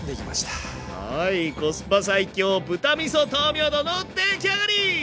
はいコスパ最強豚みそ豆苗丼の出来上がり！